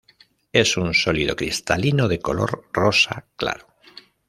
Es un sólido cristalino de color rosa claro.